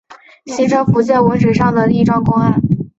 形成福建文史上的一桩公案。